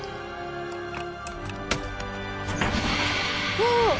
わあ！